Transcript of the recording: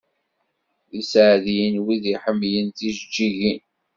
D iseɛdiyen wid i iḥemmlen tjeǧǧigin.